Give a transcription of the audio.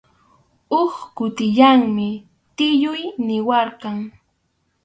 Huk kutillanmi tiyuy niwarqan.